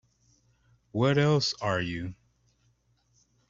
What else are you?